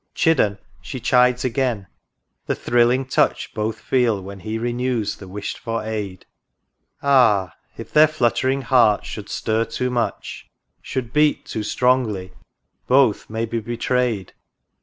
Chidden she chides again ; the thrilling touch Both feel when he renews the wish'd for aid : Ah ! if their fluttering hearts should stir too much, Should beat too strongly, both may be betrayed.